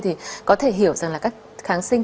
thì có thể hiểu rằng là các kháng sinh